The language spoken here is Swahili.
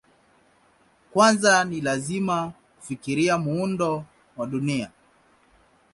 Kwanza ni lazima kufikiria muundo wa Dunia.